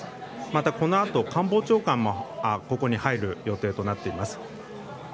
また、このあと官房長官もここに入る予定となっています。